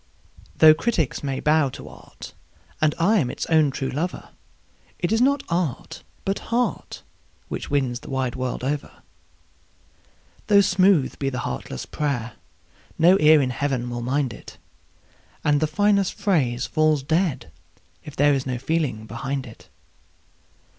Though critics may bow to art, and I am its own true lover, It is not art, but heart, which wins the wide world over. Though smooth be the heartless prayer, no ear in Heaven will mind it, And the finest phrase falls dead if there is no feeling behind it.